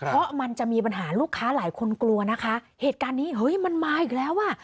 เพราะมันจะมีปัญหาลูกค้าหลายคนกลัวนะคะเหตุการณ์นี้เฮ้ยมันมาอีกแล้วอ่ะ